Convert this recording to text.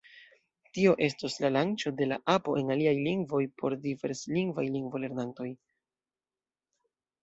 Tio estos la lanĉo de la apo en aliaj lingvoj, por diverslingvaj lingvolernantoj.